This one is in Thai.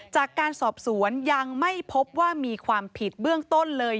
จากการสอบสวนยังไม่พบว่ามีความผิดเบื้องต้นเลย